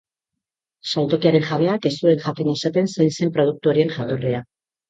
Saltokiaren jabeak ez zuen jakin esaten zein zen produktu horien jatorria.